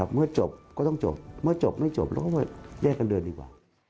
เมื่อจบก็ต้องจบเมื่อจบไม่จบเราก็แยกกันเดินดีกว่า